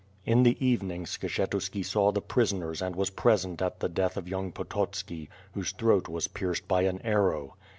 In the evening, Skshetuski saw the prisoners and was pre sent at the death of young Pototski, whose throat was pierced by an arrow.